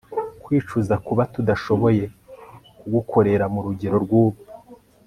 Kwicuza kuba tudashoboye kugukorera murugero rwubu